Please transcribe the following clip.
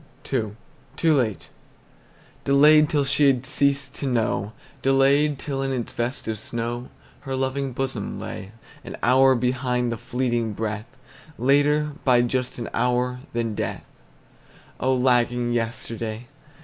II. TOO LATE. Delayed till she had ceased to know, Delayed till in its vest of snow Her loving bosom lay. An hour behind the fleeting breath, Later by just an hour than death, Oh, lagging yesterday!